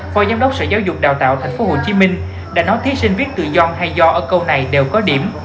phó giám đốc sở giáo dục đào tạo tp hcm đã nói thí sinh viết tự do hay do ở câu này đều có điểm